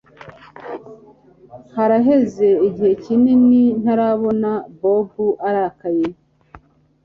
Haraheze igihe kinini ntarabona Bobo arakaye